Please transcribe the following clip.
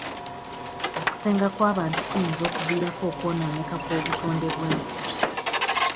Okusenga kw'abantu kuyinza okuviirako okwonooneka kw'obutonde bw'ensi.